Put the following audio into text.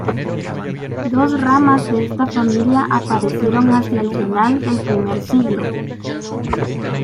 Dos ramas de esta familia aparecieron hacia el final del primer siglo.